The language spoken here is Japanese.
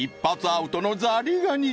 アウトのザリガニ